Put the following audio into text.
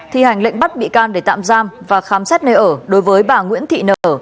thi hành lệnh bắt bị can để tạm giam và khám xét nơi ở đối với bà nguyễn thị nở